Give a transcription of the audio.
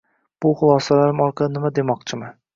Bu xulosalarim orqali nima demoqchiman